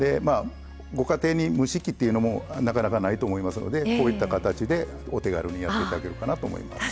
ご家庭に蒸し器っていうのもなかなかないと思いますのでこういった形でお手軽にやっていただけるかなと思います。